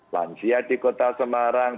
lansia di kota semarang